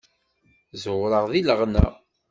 Ẓewreɣ deg leɣna.